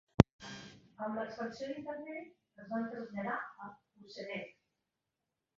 Amb l'expansió d'Internet es van traslladar a Usenet.